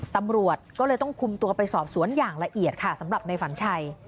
ตำรวจก็เลยต้องคุมตัวไปสอบสวนอย่างละเอียดค่ะสำหรับในฝันชัย